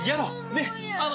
ねっ！